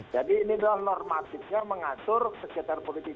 jadi ini adalah normatifnya mengatur sekitar politik